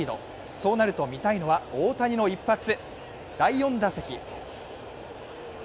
そうなると、見たいのは大谷の一発第４打席。